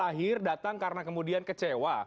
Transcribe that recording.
apa yang kemudian kemudian kemudian kecewa